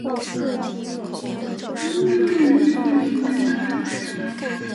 里御三家之一的真宫寺家传家之宝。